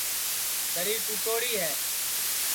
دری ٹُوڑی ہے